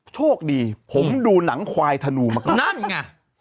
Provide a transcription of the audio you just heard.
โชคดีผมดูหนังควายธนูมาก่อนนั่นไง